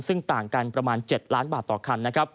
ซึ่งต่างกันประมาณ๗ล้านบาทต่อคัน